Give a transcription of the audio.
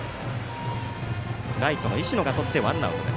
ライトの石野がとってワンアウト。